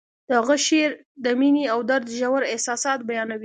د هغه شعر د مینې او درد ژور احساسات بیانوي